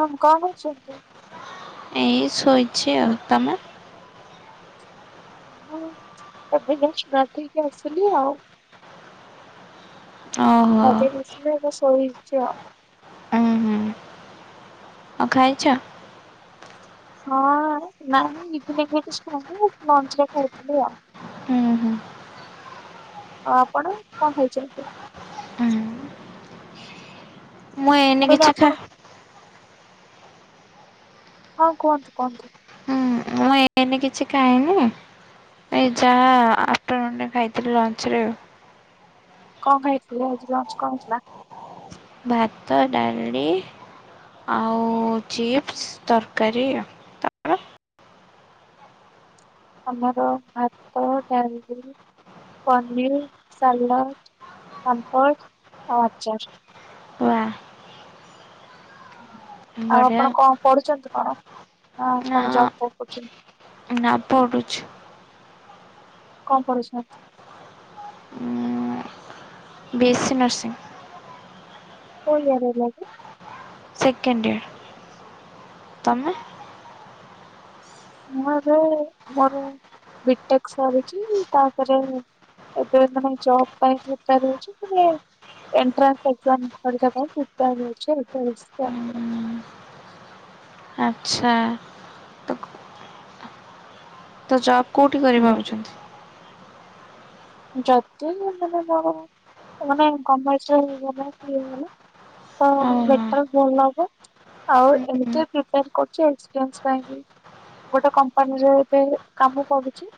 ହଁ କଣ କରୁଛନ୍ତି? ଏଇ ଶୋଇଛି ଆଉ ତମେ? ହଁ ଏବେ ଯଷ୍ଟ ଗାଧେଇକି ଆସିଲି ଆଉ। ଓହୋ ଗାଧେଇକି ଆସିଲି ଏବେ ସୋଇଚି ଆଉ। କଣ ଖାଇଛ? ହଁ ନାଇଁ ଟିଫିନ ରେ କିଛି ଖାଇନଥିଲି ଲଞ୍ଚ ରେ ଖାଇଥିଲି ଆଉ। ହୁଁ ହୁଁ ଅଉ ଆପଣ କଣ ଖାଇଛନ୍ତି? ହୁଁ ମୁଁ ଏଇନେ ମୁଁ କହିଲି କିଛି ଖାଇ ଆପଣ ହଁ କୁହନ୍ତୁ କୁହନ୍ତୁ। ହୁଁ ମୁଁ ଏଇନେ କିଛି ଖାଇନି ଏ ଯାହା ଆଫ୍ଟର ନୁନ ରେ ଖାଇଥିଲି ଲଞ୍ଚରେ ଆଉ। କଣ ଖାଇଥିଲେ ଆଜି ଲଞ୍ଚ କଣ ହେଇଥିଲା? ଭାତ ଡାଲି ଆଉ ଚିପ୍ସ ତରକାରୀ ଆଉ। ତମର ଆମର ଭାତ ଡାଲି ପନିର ସାଲାଡ୍ ପାମ୍ପଡ଼ ଆଉ ଆଚାର। ୱା। ଆଉ ଆପଣ କଣ ପଢୁଛନ୍ତି କଣ? ନା କଣ ଜବ୍ ଫବ୍ କରୁଛନ୍ତି? ନାଁ ନା ପଢ଼ୁଛି। କଣ ପଢ଼ୁଛନ୍ତି? ଉଁ ବି ଏ ସି ନର୍ସିଂ। କୋଉ ଇୟର ହେଲା କି? Second year. ତମେ? ମୁଁ ଏବେ ମୋର ବିଟେକ୍ ସାରିକି ତାପରେ ଏବେ ମାନେ ଜବ ପାଇଁ ପ୍ରିପେଆର ହୋଉଛି ମାନେ ଏଣ୍ଟ୍ରାନ୍ସ ଏକ୍ଜାମ ପରୀକ୍ଷା ପାଇଁ ପ୍ରିପେଆର୍ ହୋଉଛି ଆଉ। [unintelligible] ଆଚ୍ଛା। ତ ତ ଜବ୍ କୋଉଠି କରି ଭାବୁଛନ୍ତି? ଯଦି ମାନେ ମୋର ମାନେ ଗଭ୍ମେଣ୍ଟରେ ହେଇଗଲା ଇଏ ହେଇଗଲା ତ ଓହୋ ବେଟର ଭଲ ହବ। ଆଉ ହୁଁ ଏମିତି ପ୍ରିପେୟର କରୁଚି ଏନ୍ଟ୍ରାନ୍ସ ପାଇଁ ବି। ଗୋଟେ କମ୍ପାନୀରେ ଏବେ କାମ କରୁଛି।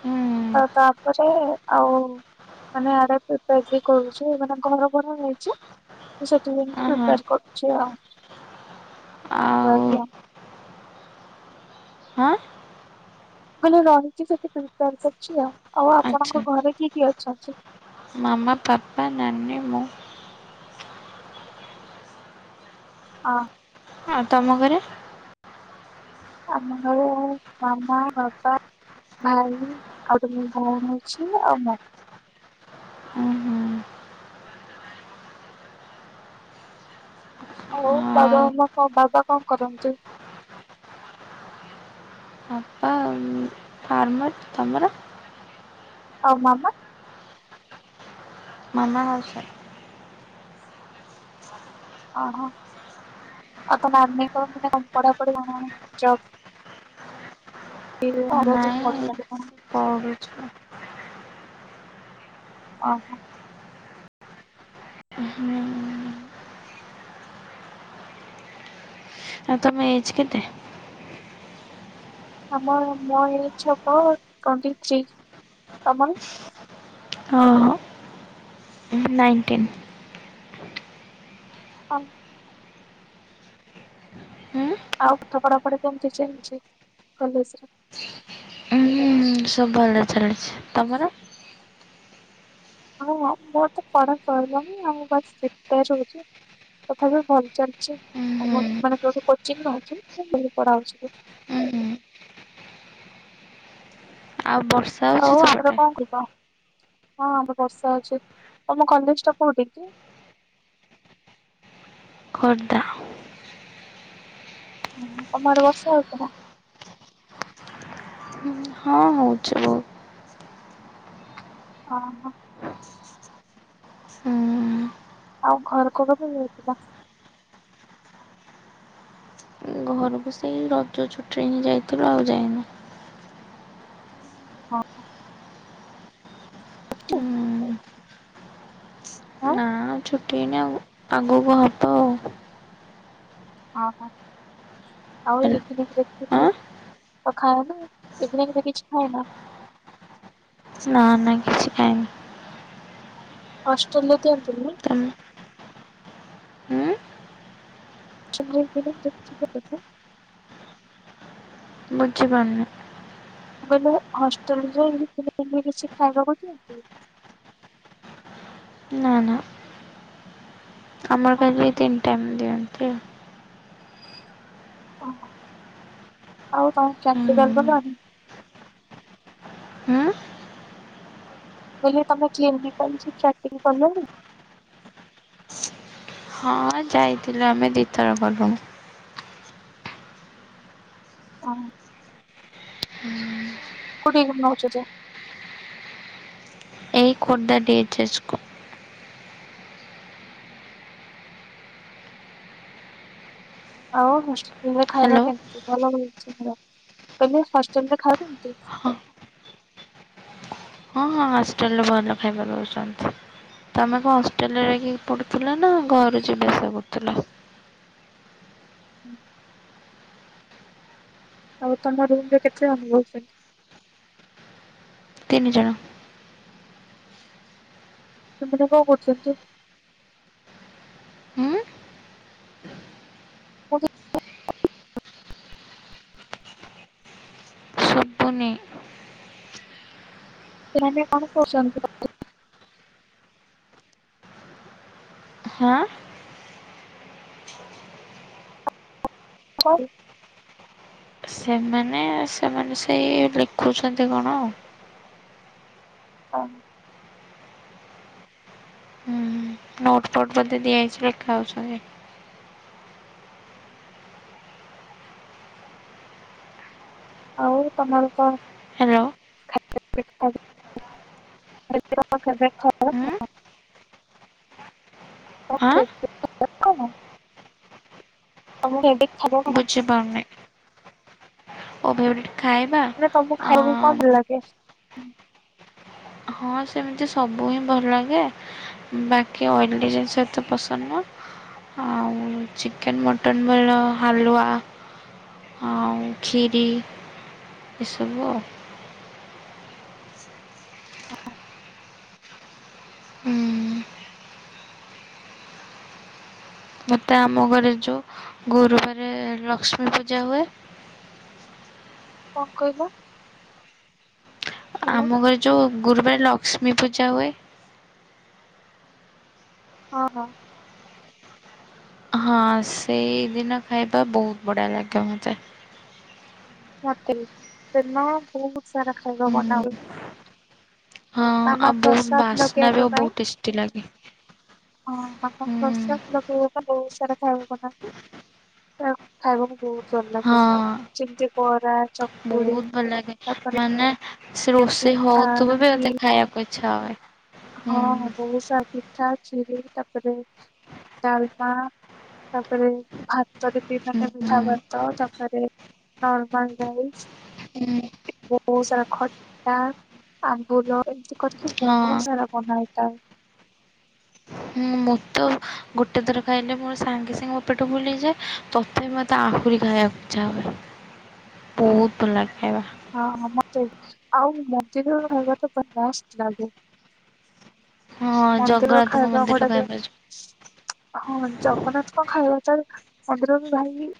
ହୁଁ ତାପରେ ଏ ଆଉ ମାନେ ଆଡେ ପ୍ରିପେଆର ବି କରୁଛି ମାନେ ଘର ଫର ନେଇଛି। ତ ସେଥିପାଇଙ୍କି ଓହୋ ପ୍ରିପେଆର କରୁଚି ରହିକି ଆଉ। ହଁ ଖାଲି ରହିକି ସେଠୀ ପ୍ରିପେଆରକରୁଚି ଆଉ। ଆଉ ଆପଣଙ୍କ ଘରେ କିଏ କିଏ ଅଛନ୍ତି? ମାମ ପାପା ନାନି ମୁଁ। ହଁ। ଆଉ ତମ ଘରେ? ଆମ ଘରେ ମାମା ବାବା ଭାଇ ଆଉ ଗୋଟେ ମୋ ଭଉଣୀ ଅଛି ଆଉ ମୁଁ। ଉଁ ହୁଁ ଆଉ ବାବା ମାମା କଣ ବାବା କଣ କରନ୍ତି? ବାପା ଫାର୍ମର। ତମର? ଆଉ ମାମା? ମାମା ହାଉସ ୱାଇଫ। ଓହୋ। ଆଉ ତୋ ନାନି କଣ ପଢା ପଢି କଣ ଜବ [unintelligible] ପଢୁଛି। ଅ ହ। [inaudible] ଆଉ ତମ ଏଜ୍ କେତେ? ଆମ ମୋ ଏଜ୍ ହବ ଟଣ୍ଟି ଥ୍ରୀ ତମର। ହଁ ହଁ। ହୁଁ ନାଇଣ୍ଟିନ୍। [inaudible] ହୁଁ ଆଉ ପାଠ ପଢା ପଢି କେମତି ଚାଲିଚି କଲେଜରେ। ହୁଁ ସବୁ ଭଲରେ ଚାଲିଛି ତମର। ହଁ ମୋର ତ ପଢା ସଇଲନି ଆଉ [unintelligible] ତଥାପି ଭଲ ଚାଲିଚି ଉଁ ହୁଁ [inaudible] ମାନେ ଯୋଉଠୁ କୋଚିଂ ନଉଚି ଭଲ ପଢା ହଉଚି। ଉଁ ହୁଁ ଆଉ ବ ଆଉ ଆପରେ କଣ କହିବ ହଁ ଆମର ବର୍ଷା ହଉଚି ତମ କଲେଜ ଟା କୋଉଠି କି। ଖୋର୍ଦ୍ଧା। ହଁ ତମ ଆଡେ ବର୍ଷା ହଉଚିନା। ହଁ ହଉଛି ବହୁତ। ହଁ ହଁ। ହୁଁ ଆଉ ଘର କେବେ ଯାଇଥିଲ। ଘରକୁ ସେଇ ରଜ ଛୁଟିରେ ହିଁ ଯାଇଥୁଲୁ ଆଉ ଯାଇନୁ। ହଁ। [inaudible] ହୁଁ ଆଁ। ନା ଛୁଟି ହେଇନି ଆଉ ଆଗକୁ ହବ। ଅ ହଁ। ଆଉ ଇଭିନିଗ୍ କିଛି ଆଁ ଖାଅନା ଇଭିନିଗ୍ ରେ କିଛି ଖାଏନା। ନା ନା କିଛି ଖାଇନି। ହଷ୍ଟେଲରେ ଦିଅନ୍ତି ନି। ତମେ ହୁଁ [inaudible] ବୁଝି ପାରୁନି। ମୁଁ କହିଲି ହଷ୍ଟେଲରେ ଇପି ଫିପି କିଛି ଖାଇବାକୁ ଦିଅନ୍ତିନି। ନା ନା। ଆମର ଖାଲି ତିନି ଟାଇମ୍ ଦିଅନ୍ତି ଆଉ। ଅହ ଆଉ ତମ ହୁଁ କ୍ୟାସିକାଲ କରିନାହାନ୍ତି। ହୁଁ ମୁଁ କହିଲି ତମେ [unintelligible] ଷ୍ଟାଟିଗ୍ କଲଣି। ହଁ ଯାଇଥିଲା ଆମେ ଦି ଥର ଗଲୁଣୁ। ଅ। କୋଉଠି କି ନଉଚ ଯେ। ଏଇ ଖୋର୍ଦ୍ଧା ଡି ଏଚ ଏସ କୁ। ଆଉ ହଷ୍ଟେଲରେ ଖାଇବା ହ୍ୟାଲୋ କେମତି ଭଲ ମିଳୁଛି ତ ମୁଁ କହିଲି ହଷ୍ଟେଲରେ ଖାଇବା କେମିତି? ହଁ ହଁ ହଷ୍ଟେଲରେ ଭଲ ଖାଇବା ଦଉଚନ୍ତି। ତମେ କ ହଷ୍ଟେଲରେ ରହିକି ପଢୁଥିଲ ନା ଘରୁ ଯିବା ଆସିବା କରୁଥିଲ। ଆଉ ତମ ରୁମ ରେ କେତେ ଜଣ ରହୁଛନ୍ତି? ତିନି ଜଣ। ସେମାନେ କଣ କରୁଚନ୍ତି? ହୁଁ [unintelligible] ସୁବୁନି। ସେମାନେ କଣ କରୁଛନ୍ତି [unintelligible] ହାଁ। [unintelligible] ସେମାନେ ସେମାନେ ସେଇ ଲେଖୁଛନ୍ତି କଣ ଆଉ। ଅଁ ନୋଟଫୋଟ ବୋଧେ ଦିଆଯାଇଛି ଲେଖା ହେଉଛନ୍ତି। ଆଉ ତମର ତ ହ୍ୟାଲୋ [unintelligible] ହୁଁ [unintelligible] ହଁ [unintelligible] [unintelligible] [unintelligible] [unintelligible] ଖାଇବା ମାନେ ତମକୁ ଖାଇବାକୁ କଣ ଭଲ ଆଁ ଲାଗେ ହଁ ସେମିତି ସବୁ ହିଁ ଭଲ ଲାଗେ। ବାକି ଅଏଲି ଜିନିଷ ଏତ ପସନ୍ଦ ନୁହ। ଆଉ ଚିକେନ ମଟନ୍ ଭଲ ହାଲୁଆ ଆଉ ଖୀରି ଏସବୁ ଆଉ। [unintelligible] ହୁଁ। ମତେ ଆମ ଘରେ ଯଉ ଗୁରୁବାର ଲକ୍ଷ୍ମୀ ପୂଜା ହୁଏ। କଁ କହିଲ? ହାଲୋ ଆମ ଘରେ ଯଉ ଗୁରୁବାର ଲକ୍ଷ୍ମୀ ପୂଜା ହୁଏ। ହଁ। ହଁ ସେଇଦିନ ଖାଇବା ବହୁତ ବଢ଼ିଆ ଲାଗେ ମତେ। ମତେ ବି ସେଦିନ ବହୁତ ସାରା ଖାଇବା ହୁଁ, ବନାହୁଏ। ହଁ ଆଉ ମାମା ବହୁତ ପ୍ରସାଦ ବାସ୍ନା ବି ଆଉ ଲଗେଇବା ବହୁତ ପାଇଁ ଟେଷ୍ଟି ଲାଗେ ହଁ ମାମା ହୁଁ, ପ୍ରସାଦ ଲଗାଇବା ପାଇଁ ବହୁତ ସାରା ଖାଇବା ବନାନ୍ତି। ଖାଇବାକୁ ବହୁତ ଭଲ ଲାଗେ, ହଁ ଯେମତି ବରା ଚ ବହୁତ ଭଲ ଲାଗେ ମାନେ ସେ ରୋଷେଇ ପିଠା ହଉଥିବ ବି ଏମତି ମୋତେ ଖାଇବାକୁ ଇଚ୍ଛା ହୁଏ। ହୁଁ, ହଁ ବହୁତ ସାରା ପିଠା ଖିରି ତାପରେ ଡାଲମା। ତାପରେ ଭାତରେ ବି ହୁଁ, ମାନେ ମିଠା ହୁଁ, ଭାତ ତାପରେ ହଁ ନର୍ମାଲ ରାଇଜ୍। ହୁଁ। ବହୁତ୍ ସାରା ଖଟା ଆମ୍ବୁଲ ଏମ୍ କରିକି ବହୁତ ହଁ ସାରା ବନା ହେଇଥାଏ। ମୁଁ ମୋତ ଗୋଟେ ଥର ଖାଇଲେ ମୋ ସାଙ୍ଗେ ସାଙ୍ଗେ ମୋ ପେଟ ଫୁଲହେଯାଏ ତଥାପି ମୋତେ ଆହୁରି ଖାଇବା ଇଛା ହୁଏ। ବହୁତ ଭଲ ଲାଗେ ଖାଇବା। ହଁ ମତେ ଆଉ ମନ୍ଦିିର ର ଖାଇବା ତ ପୁରା ମସ୍ତ ଲାଗେ। ହଁ ମନ୍ଦିର ର ଜଗନ୍ନାଥଙ୍କ ଖାଇବା ମନ୍ଦିର ଗୁଡ଼ାକ ଖାଇବା ଯୋଉ ହଁ ଜଗନ୍ନାଥ ଙ୍କ ଖାଇବା ତ ମନ୍ଦିର ରୁ ଭାଇ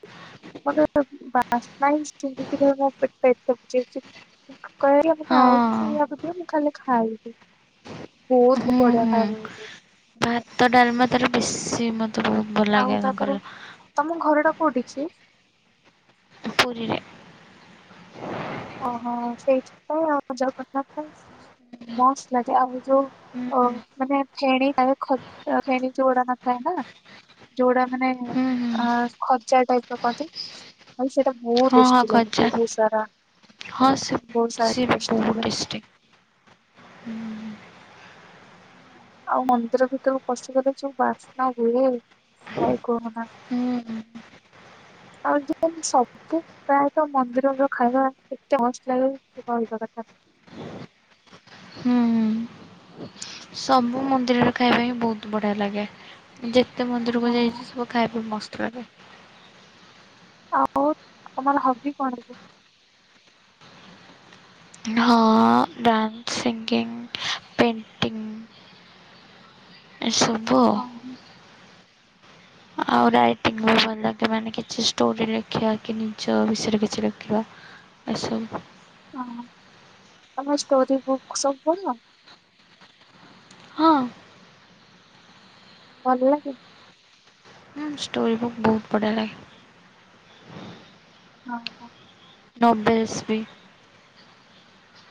[unintelligible] [unintelligible] ଆହୁରି ହଁ ଖାଇବାକୁ ଦିଅ ମୁଁ ଖାଲି ଖାଇବି ବହୁତ ହୁଁ ବଢ଼ିଆ ହୁଁ। ଖାଇବା ମିଳୁଚି। ଭାତ, ଡାଲାମା ତାର ବେଶୀ ମୋତେ ବହୁ ଆଉ ତାପରେ ତମ ଘର ଟା କୋଉଠି କି? ପୁରୀରେ। ଓହୋ ସେଇଥିପାଇଁ ଆଉ ଜଗନ୍ନାଥ ମସ୍ତ ଲାଗେ ଆଉ ଯୋଉ ହୁଁ ଓ ହୁଁ ମାନେ ଫେଣି ଖ ଫେଣି ଯୋଡା ନଥାଏ ନା ଯୋଉଟା ମାନେ ହୁଁ ଅ ଖଜା ଟାଇପ ର କନ୍ତି ଆଉ ସେଟା। ବହୁତ ହଁ ହଁ ଟେଷ୍ଟି ଲାଗେ ଗଜା ବହୁତ ସାରା ହଁ ସେ ବହୁତ ସାରା ସିଏ ଟେଷ୍ଟି ବହୁତ ଲାଗେ। ଟେଷ୍ଟୀ। ହୁଁ। ଆଉ ମନ୍ଦିର ଭିତରୁକୁ ପଶିଗଲେ ଯୋଉ ବାସ୍ନା ହୁଏ। ଅଏ କୁହନା। ହୁଁ [inaudible] ଆଜି କାଲି ସବୁ ପ୍ରାୟତଃ ମନ୍ଦିର ର ଖାଇବା ଏତେ ମସ୍ତ ଲାଗେ କହିବା କଥା। [unintelligible] ହୁଁ ହୁଁ। ସବୁ ମନ୍ଦିର ର ଖାଇବା ହିଁ ବୋହୁତ ବଢିଆ ଲାଗେ। ଯେତେ ମନ୍ଦିରକୁ ହଁ, ଯାଇଛି ସବୁ ଖାଇବା ମସ୍ତ ଲାଗେ। ଆଉ ତମର ହବି କଣ? ହଁ ଡ୍ୟାନ୍ସ ସିଙ୍ଗିଂ ପେଣ୍ଟିଂ। ଏଇ ସବୁ ଆଉ ହଁ। ଆଉ ରାଇଟିଙ୍ଗ ବି ଭଲ ଲାଗେ ମାନେ କିଛି ଷ୍ଟୋରି ଲେଖିବା କି ନିଜ ବିଷୟରେ କିଛି ଲେଖିବା। ଏସବୁ। ହ ଆମ ଷ୍ଟୋରୀ ବୁକ୍ ସବୁ ପଢ। ହଁ। ଭଲ୍ ଲାଗେ? ହୁଁ ଷ୍ଟୋରି ବୁକ୍ ବହୁତ୍ ବଢ଼ିଆ ଲାଗେ। ହଁ ହଁ। ନବେ ଏସ୍ପି।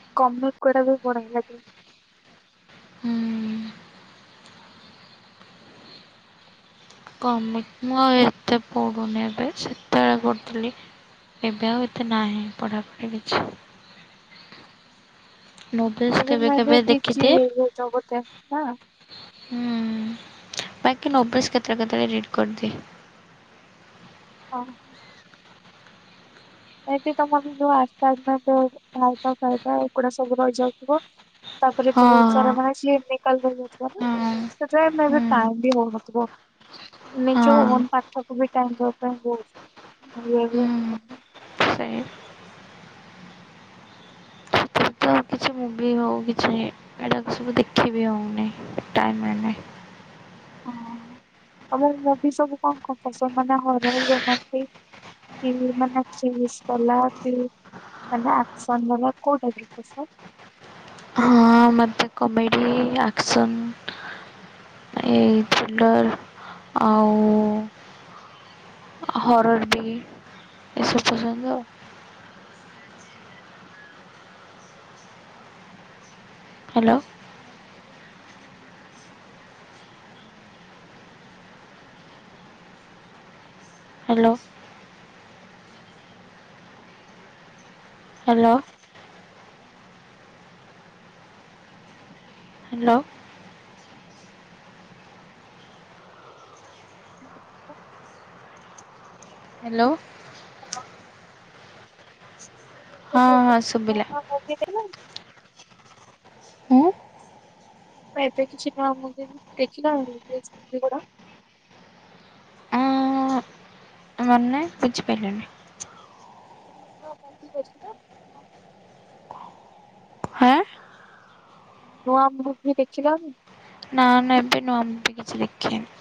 [unintelligible] ହୁଁ କମେଟ୍ ମୁଁ ଆଉ ଏତେ ପଢୁନି ଏବେ ସେତେବେଳେ ପଢୁଥିଲି। ଏବେ ଆଉ ଏତେ ନାହିଁ ପଢ଼ାପଢ଼ି କିଛି। ନୋବେଲ୍ସ ଏବେ କେବେ ମୁଁ ଏବେ କେବେ ବିଜି ଦେଖିଦିଏ। ହେଇ [unintelligible] ନା। ହୁଁ ବାକି ନୋବେସ୍ କେତେଳେ କେତଳେ ରିଡ୍ କରଦିଏ। କଣ? ଏଠି ତମର ଯୋଉ [unintelligible] ଏଗୁଡା ସବୁ ରହିଯାଉଥିବ। ତାପରେ ହଁ ବହୁତ୍ ହଁ। ସାରା ମାର୍କ ଶ୍ଲିପ ବି। କାଲି ଦେଉନଥିବ ନା ହଁ। ସେଥିପାଇଁ ହୁଁ ଏବେ ଟାଇମ୍ ବି ହଉ ନଥିବ। ନା ଏଯଉ ହଁ ଓନ୍ ପାଠକୁ ବି ଟାଇମ୍ ଦବା ପାଇଁ ବହୁ ହୁଁ। ସେଇ ସେଥିରେ ହଉ କିଛି ନିଏ। ଏଡ଼ା ସବୁ ଦେଖି ବି ହେଉନି ଟାଇମ୍ ମିଳୁନି। ହଁ ତମର ବି ସବୁ କଣ କଣ ପସନ୍ଦ ମାନେ ହରର ରୋମାଣ୍ଟିକ। [unintelligible] ମାନେ ସେଇ [unintelligible] ପଲାର୍ ୟୁ ମାନେ ଆକ୍ସନ୍ ନେଲ କୋଉଟାଇପ୍ ର ପସନ୍ଦ୍? ହଁ ମୋତେ କମେଡ଼ି, ଆକ୍ସନ୍ ଏଇ ଟେଲର୍ ଆଉ ହରର୍ ଟିକେ। ଏସବୁ ପସନ୍ଦ। Hello. Hello. Hello. Hello. [inaudible] Hello. ହଁ ହଁ ଶୁଭିଲା। [unintelligible] ଉଁ ମୁଁ ଏବେ କିଛି ନୂଆ ମଗେଇଲି ଦେଖିଲା ବେଳକୁ ସେଇଗୁଡା ଉଁ ମାନେ ବୁଝି ପାଇଲିନି? [unintelligible] ହାଁ ନୂଆ ମୁଭି ଦେଖିଲଣି। ନା ନା ଏବେ ନୁଆ ମୁଭି କିଛି ଦେଖିନି